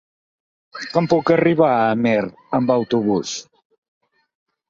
Com puc arribar a Amer amb autobús?